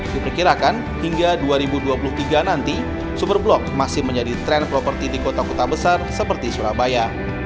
diperkirakan hingga dua ribu dua puluh tiga nanti super blok masih menjadi tren properti di kota kota besar seperti surabaya